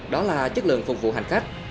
đó là chất lượng phục vụ hành khách